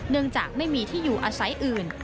จากไม่มีที่อยู่อาศัยอื่น